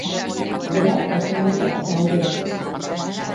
Beraz, pazientzia eta aurrera.